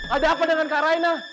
ada apa dengan kak raina